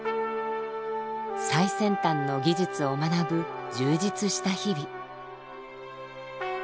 最先端の技術を学ぶ充実した日々。